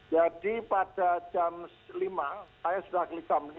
jadi pada jam lima saya sudah kelihatan